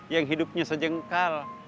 yang hidupnya sejengkal